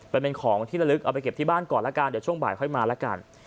ไปเป็นของที่ละลึกเอาไปเก็บที่บ้านก่อนละกันเดี๋ยวช่วงบ่ายค่อยมาแล้วกัน